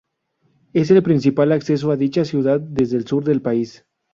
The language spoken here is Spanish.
Es el principal acceso a dicha ciudad desde el sur del país.